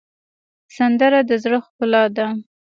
سندره د زړه ښکلا ده